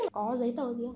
có giấy tờ gì không